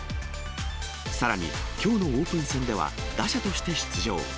さらにきょうのオープン戦では、打者として出場。